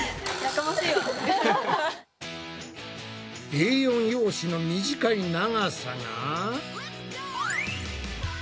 Ａ４用紙の短い長さが。